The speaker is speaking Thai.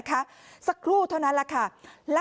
กลุ่มตัวเชียงใหม่